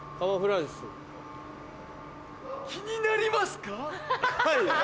気になりますか？